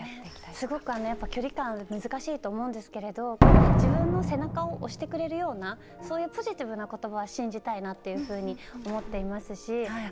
すごく距離感難しいと思うんですけど自分の背中を押してくれるようなそういうポジティブな言葉は信じたいなと思ってますし